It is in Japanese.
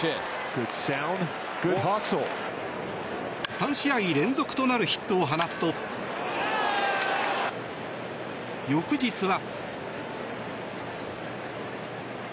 ３試合連続となるヒットを放つと、翌日は。